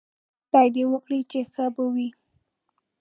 خدای دې وکړي چې ښه به وئ